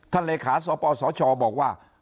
เลขาสปสชบอกว่า